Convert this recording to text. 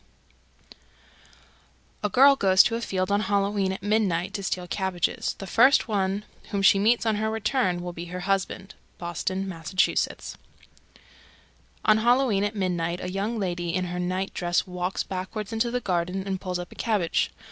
B._ 305. A girl goes to a field on Halloween at midnight to steal cabbages. The first one whom she meets on her return will be her husband. Boston, Mass. 306. On Halloween at midnight a young lady in her night dress walks backward into the garden and pulls up a cabbage.